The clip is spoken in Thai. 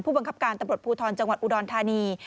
บังคับการตำรวจภูทรจังหวัดอุดรธานี